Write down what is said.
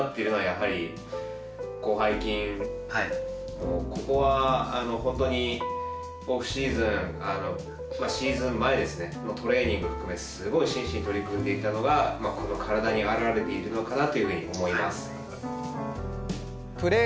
もうここは本当にオフシーズンまあシーズン前ですねのトレーニング含めすごい真摯に取り組んでいたのがまあこの体にあらわれているのかなというふうに思います。